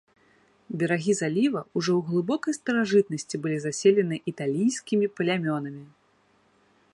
Берагі заліва ўжо ў глыбокай старажытнасці былі заселены італійскімі плямёнамі.